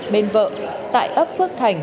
bên vợ tại ấp phước thành